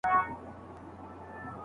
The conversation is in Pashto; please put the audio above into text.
اخرت تلپاتې او اصلي ژوند دی.